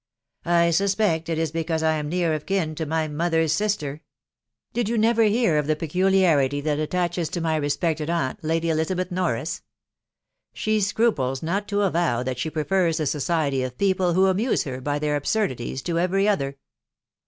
" I suspect it is because I am near of kin to my mother's sister. ... Did you never hear of the peculiarity that attaches to my respected aunt, Lady Elizabeth Norris ? She scruples not to avow that she prefers the society of people who amuse her by their absurdities to every other."